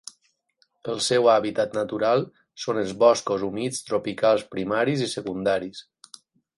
El seu hàbitat natural són els boscos humits tropicals primaris i secundaris.